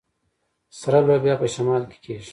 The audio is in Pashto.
سره لوبیا په شمال کې کیږي.